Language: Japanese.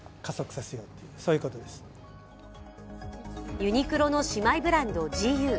ユニクロの姉妹ブランド、ＧＵ。